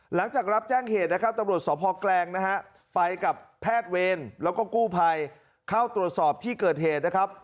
หลังจากรับแจ้งเหตุตบรวจสอบภอกแกรงไปกับแพทย์เวญแล้วก็กู้ภัยเข้าตรวจสอบที่เกิดเหตุ